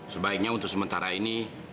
sebaiknya untuk sementara ini